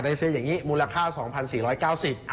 ซื้ออย่างนี้มูลค่า๒๔๙๐บาท